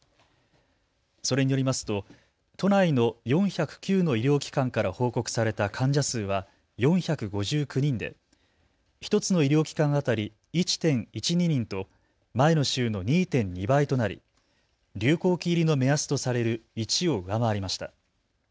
それによりますと都内の４０９の医療機関から報告された患者数は４５９人で１つの医療機関当たり１．１２人と前の週の２．２倍となり流行期入りの目安とされる１を上回りました。